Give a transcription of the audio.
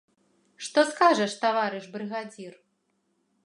Што скажаш, таварыш брыгадзір?